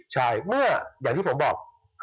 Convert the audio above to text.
ใช่เมื่ออย่างที่ผมบอก